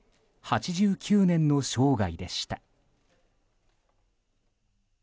８９年の生涯でした。